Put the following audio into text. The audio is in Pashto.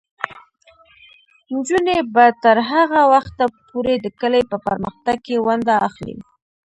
نجونې به تر هغه وخته پورې د کلي په پرمختګ کې ونډه اخلي.